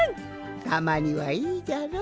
たまにはいいじゃろ。